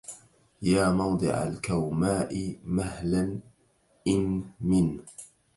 يا موضع الكوماء مهلا إن من